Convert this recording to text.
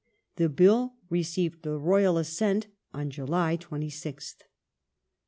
^ The Bill received the Royal assent on July 26th.